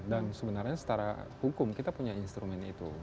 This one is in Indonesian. dan sebenarnya setara hukum kita punya instrumen itu